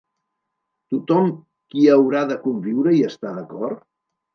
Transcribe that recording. Tothom qui hi haurà de conviure hi està d'acord?